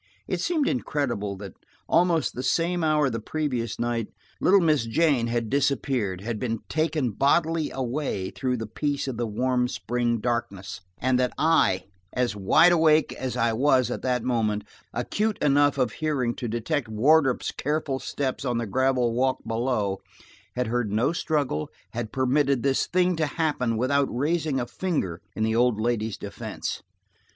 It seemed incredible that almost the same hour the previous night little Miss Jane had disappeared, had been taken bodily away through the peace of the warm spring darkness, and that I, as wide awake as I was at that moment, acute enough of hearing to detect Wardrop's careful steps on the gravel walk below, had heard no struggle, had permitted this thing to happen without raising a finger in the old lady's defense.